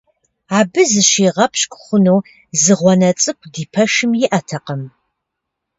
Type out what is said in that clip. Абы зыщигъэпщкӀу хъуну зы гъуанэ цӀыкӀу ди пэшым иӀэтэкъым.